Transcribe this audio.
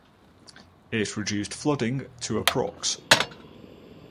It reduced flooding to approx.